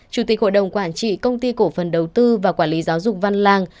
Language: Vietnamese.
chủ tịch hội đồng quản trị công ty cổ phần đầu tư và quản lý giáo dục văn lang